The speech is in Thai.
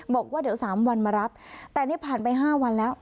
บอกว่าเดี๋ยว๓วันมารับแต่นี่ผ่านไป๕วันแล้ว